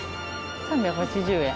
３８０円。